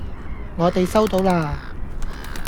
我哋收到啦